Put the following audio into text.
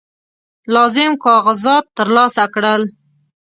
لازم کاغذات ترلاسه کړل.